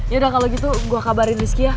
yaudah kalau gitu gue kabarin rizky ya